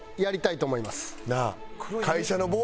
なあ？